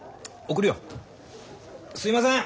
すいません